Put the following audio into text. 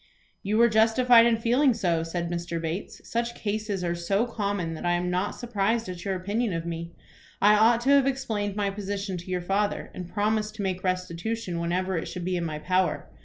"You were justified in feeling so," said Mr. Bates. "Such cases are so common that I am not surprised at your opinion of me. I ought to have explained my position to your father, and promised to make restitution whenever it should be in my power.